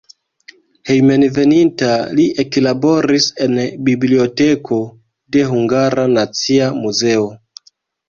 Hejmenveninta li eklaboris en biblioteko de Hungara Nacia Muzeo.